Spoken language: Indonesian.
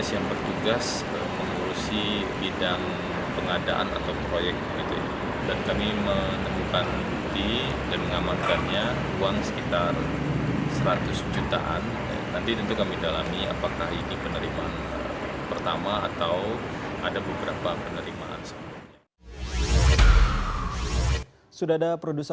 yang diduga suap dalam proyek tim pengawal dan pengaman pemerintah dan pembangunan daerah atau tp empat d